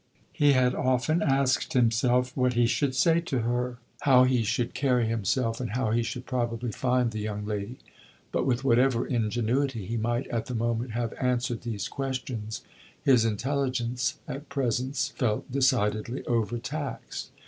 He had often asked himself what he should say to her, how he should carry himself, and how he should probably find the young lady; but, with whatever ingenuity he might at the moment have answered these questions, his intelligence at present felt decidedly overtaxed.